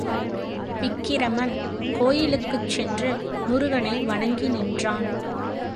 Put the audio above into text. விக்கிரமன் கோயிலுக்குச் சென்று முருகனை வணங்கி நின்றான்.